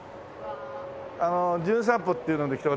あの『じゅん散歩』っていうので来た私